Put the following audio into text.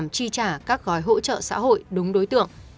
các gói hỗ trợ xã hội đúng đối tượng